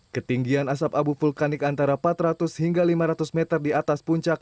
ketinggian asap abu vulkanik antara empat ratus hingga lima ratus meter di atas puncak